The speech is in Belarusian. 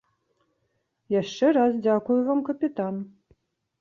Яшчэ раз дзякую вам, капітан.